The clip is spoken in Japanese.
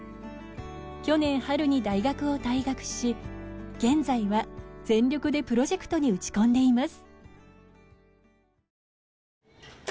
去年春に大学を退学し現在は全力でプロジェクトに打ち込んでいます。